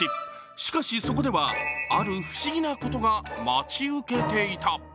しかし、そｋではある不思議なことが待ち受けていた。